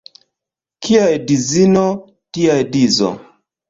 Kia edzino, tia edzo.